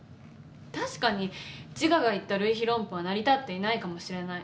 確かにジガが言った類比論法は成り立っていないかもしれない。